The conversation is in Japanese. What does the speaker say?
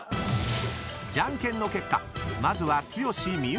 ［じゃんけんの結果まずは］